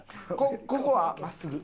ここは真っすぐ？